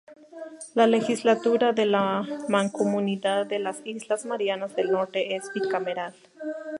La Legislatura de la Mancomunidad de las Islas Marianas del Norte es bicameral.